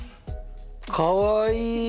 かわいい。